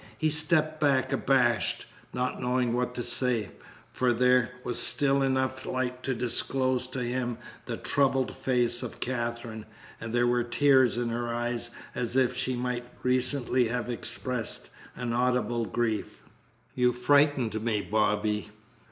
He stepped back, abashed, not knowing what to say, for there was still enough light to disclose to him the troubled face of Katherine, and there were tears in her eyes as if she might recently have expressed an audible grief. "You frightened me, Bobby."